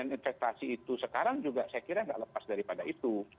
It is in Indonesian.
investasi itu sekarang juga saya kira nggak lepas daripada itu